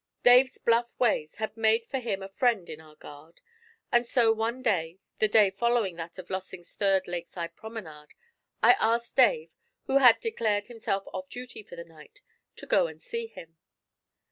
Dave's bluff ways had made for him a friend in our guard, and so one day, the day following that of Lossing's third lakeside promenade, I asked Dave, who had declared himself off duty for the night, to go and see him.